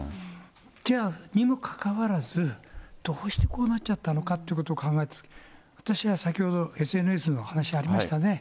じゃあ、にもかかわらず、どうしてこうなっちゃったのかということを考えると、私は先ほど、ＳＮＳの話ありましたね。